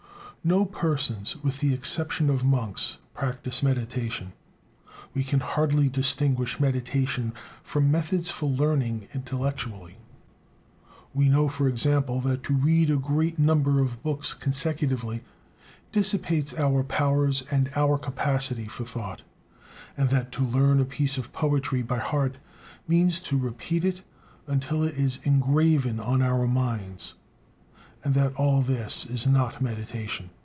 No persons, with the exception of monks, practise meditation. We can hardly distinguish meditation from methods for "learning" intellectually. We know, for example, that to read a great number of books consecutively, dissipates our powers and our capacity for thought; and that to learn a piece of poetry by heart means to repeat it until it is engraven on our minds: and that all this is not "meditation."